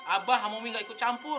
abah dan umi tidak ikut campur